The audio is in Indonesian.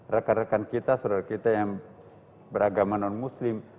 rekan rekan kita saudara kita yang beragama non muslim